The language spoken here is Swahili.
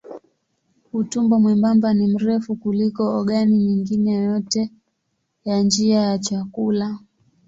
Utumbo mwembamba ni mrefu kuliko ogani nyingine yoyote ya njia ya chakula.